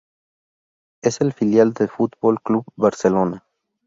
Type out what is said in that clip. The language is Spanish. Es el filial del Fútbol Club Barcelona.